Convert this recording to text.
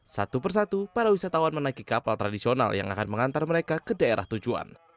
satu persatu para wisatawan menaiki kapal tradisional yang akan mengantar mereka ke daerah tujuan